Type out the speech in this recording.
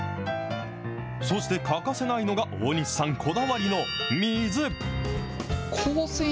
そして欠かせないのが、大西さんこだわりの水。